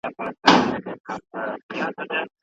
د پلار په خبرو کي د ټولنې د اصلاح او پرمختګ پیغام وي.